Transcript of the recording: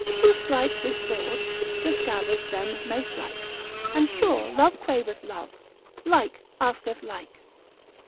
Who strike with sword, the scabbard them may strike, And sure love craveth love, like asketh like.